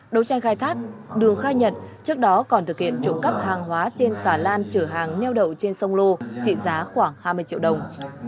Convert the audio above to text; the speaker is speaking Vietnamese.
đấu tranh khai thác đường khai nhận trước đó còn thực hiện trộm cắp hàng hóa trên xà lan chở hàng neo đậu trên sông lô trị giá khoảng hai mươi triệu đồng